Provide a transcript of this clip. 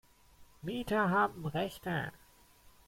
Mieter haben Rechte.